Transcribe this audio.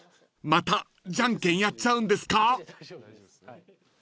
［またじゃんけんやっちゃうんですか？］